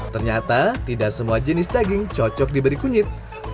ternyata tidak semua jenis daging cocok diberi kunyit